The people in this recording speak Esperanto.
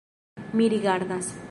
Mi rigardas.